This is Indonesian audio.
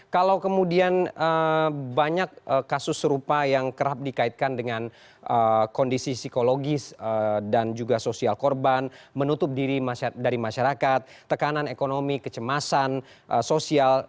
kalau kemudian banyak kasus serupa yang kerap dikaitkan dengan kondisi psikologis dan juga sosial korban menutup diri dari masyarakat tekanan ekonomi kecemasan sosial